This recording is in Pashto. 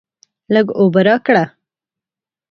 لږ اوبه راکړه.